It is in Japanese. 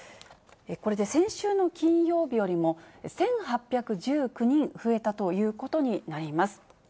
これで先週の金曜日よりも１８１９人増えたということになります。